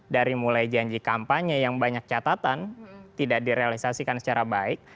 dari mulai janji kampanye yang banyak catatan tidak direalisasikan secara baik